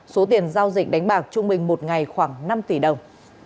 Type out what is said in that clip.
số tiền giao dịch đánh bạc trung bình một ngày khoảng năm tỷ đồng